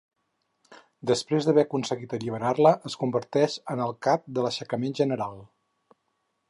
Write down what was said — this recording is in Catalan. Després d'haver aconseguit alliberar-la, es converteix en el cap de l'aixecament general.